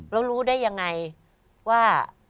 แล้วรู้ได้ยังไงว่า